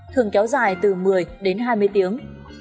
thường kéo dài từ một mươi đến hai mươi tiếng